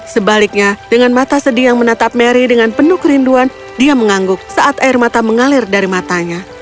sebaliknya dengan mata sedih yang menatap mary dengan penuh kerinduan dia mengangguk saat air mata mengalir dari matanya